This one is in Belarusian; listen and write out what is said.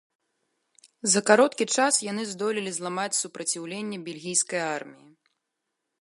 За кароткі час яны здолелі зламаць супраціўленне бельгійскай арміі.